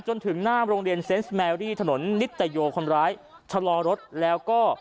จนถึงหน้าโรงเรียนเซ็นส์แมรี่ถนนนิตโยคนร้ายชะลอรถแล้วก็